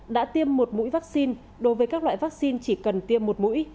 đã tiêm một mũi vaccine đối với các loại vaccine chỉ cần tiêm một mũi